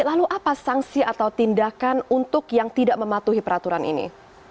lalu apa sanksi atau tindakan untuk yang tidak mematuhi peraturan ini